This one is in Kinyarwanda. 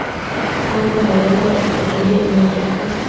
cyangwa ntarengwa igihe inyandiko